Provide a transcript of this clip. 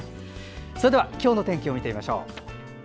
それでは今日の天気を見てみましょう。